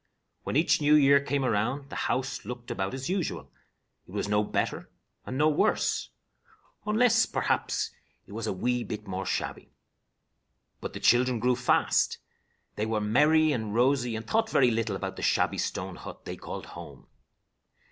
When each new year came around, the home looked about as usual. It was no better, and no worse, unless, perhaps, it was a wee bit more shabby. But the children grew fast. They were merry and rosy, and thought very little about the shabby stone hut they called "home."